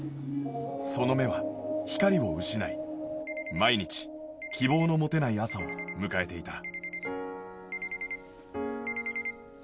その目は光を失い毎日希望の持てない朝を迎えていた